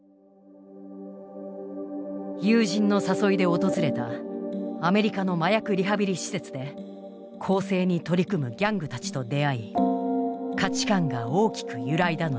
友人の誘いで訪れたアメリカの麻薬リハビリ施設で更生に取り組むギャングたちと出会い価値観が大きく揺らいだのだ。